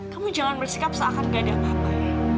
kamu jangan bersikap seakan gak ada apa apa